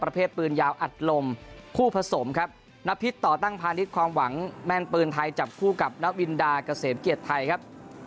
ประเภทปืนยาวอัดลมคู่ผสมครับนพิษต่อตั้งพาณิชย์ความหวังแม่นปืนไทยจับคู่กับนวินดาเกษมเกียรติไทยครับ